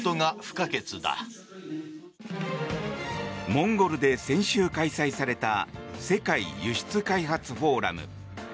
モンゴルで先週開催された世界輸出開発フォーラム。